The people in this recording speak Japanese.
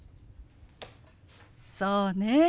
そうね。